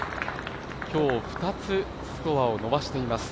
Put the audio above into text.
今日２つスコアを伸ばしています。